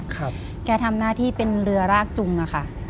เกียร์ทำหน้าที่เป็นเรือรากจุงนะคะ